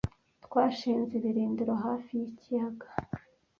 Twashinze ibirindiro hafi yikiyaga.